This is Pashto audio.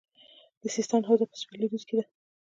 د سیستان حوزه په سویل لویدیځ کې ده